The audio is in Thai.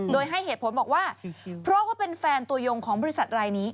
โดยให้เหตุผลบอกว่าเพราะว่าเป็นแฟนตัวยงของบริษัทรายนี้